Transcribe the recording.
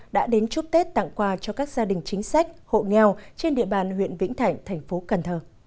đã đến chúc tết tặng quà cho các gia đình chính sách hộ nghèo trên địa bàn huyện vĩnh thảnh tp cn